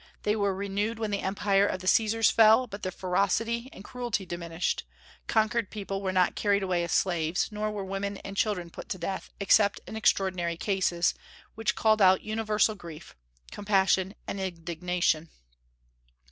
They were renewed when the empire of the Caesars fell, but their ferocity and cruelty diminished; conquered people were not carried away as slaves, nor were women and children put to death, except in extraordinary cases, which called out universal grief, compassion, and indignation.